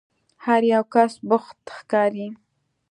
هر یو کس بوخت ښکاري.